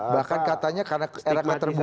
bahkan katanya karena era keterbatas